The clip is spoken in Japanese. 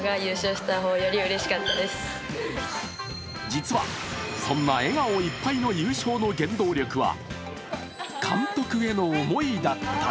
実はそんな笑顔いっぱいの優勝の原動力は監督への思いだった。